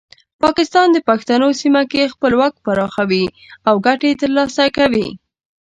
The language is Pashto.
پاکستان د پښتنو سیمه کې خپل واک پراخوي او ګټې ترلاسه کوي.